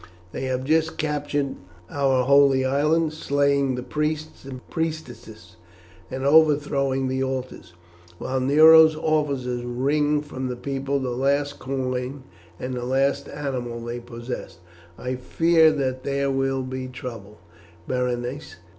They have just captured our Holy Island, slaying the priests and priestesses, and overthrowing the altars, while Nero's officers wring from the people the last coin and the last animal they possess. I fear that there will be trouble, Berenice.